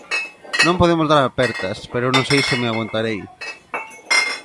Non podemos dar apertas pero eu non sei se me aguantarei.